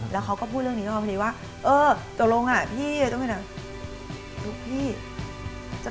แล้วเขาก็พูดเรื่องนี้นะคะ